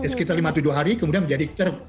sekitar lima tujuh hari kemudian menjadi ter